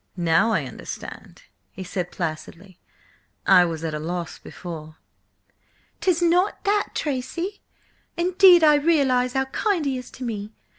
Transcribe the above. "Now I understand," he said placidly. "I was at a loss before." "'Tis not that, Tracy! Indeed I realise how kind he is to me.